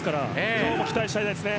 今日も期待したいですね。